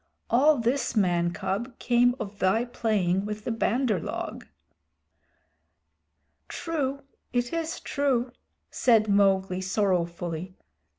All this, man cub, came of thy playing with the Bandar log." "True, it is true," said Mowgli sorrowfully.